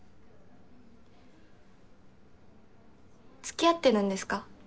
付き合ってるんですか？